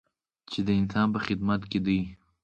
چې د انسان په خدمت کې دی.